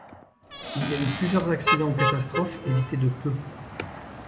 Il y a eu plusieurs accidents ou catastrophes évitées de peu.